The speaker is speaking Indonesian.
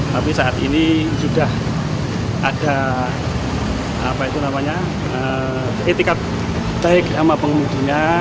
tapi saat ini sudah ada apa itu namanya etikat baik sama pengemudinya